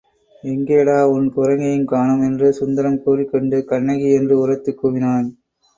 எங்கேடா உன் குரங்கையும் காணோம்? என்று சுந்தரம் கூறிக்கொண்டு கண்ணகி! என்று உரத்துக் கூவினான்.